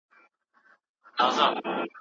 په الجزایر کي سوسیالیزم رامنځته شوی دی.